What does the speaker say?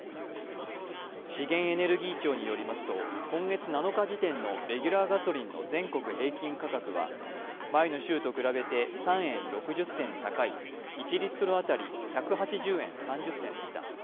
資源エネルギー庁によりますと、今月７日時点のレギュラーガソリンの全国平均価格は前の週と比べて３円６０銭高い１リットル当たり１８０円３０銭でした。